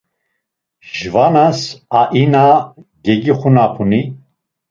Jvanas aina gegixunapuni?